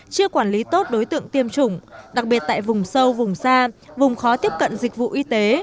chưa quản lý tốt đối tượng tiêm chủng đặc biệt tại vùng sâu vùng xa vùng khó tiếp cận dịch vụ y tế